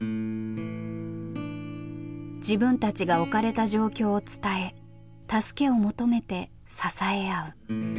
自分たちが置かれた状況を伝え助けを求めて支え合う。